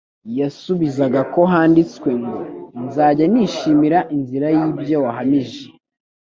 yabasubizaga ko handitswe ngo: «nzajya nishimira inzira y'ibyo wahamije,